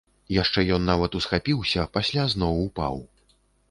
Яшчэ ён нават усхапіўся, пасля зноў упаў.